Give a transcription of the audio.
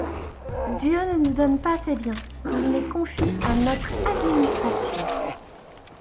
Dieu ne nous donne pas ses biens: il les confie à notre administration.